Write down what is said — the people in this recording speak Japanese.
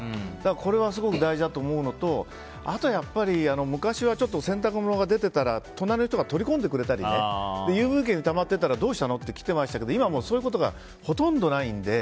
これはすごく大事だと思うのとあとは、昔は洗濯物が出てたら隣の人が取り込んでくれたり郵便受けにたまってたらどうしたのって来てましたけど今はそういうことがほとんどないので。